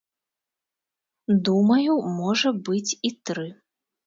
Думаю, можа быць і тры.